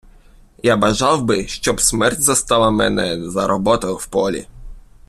Я бажав би, щоб смерть застала мене за роботою в полі.